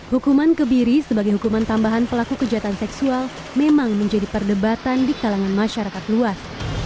hukuman kebiri sebagai hukuman tambahan pelaku kejahatan seksual memang menjadi perdebatan di kalangan masyarakat luas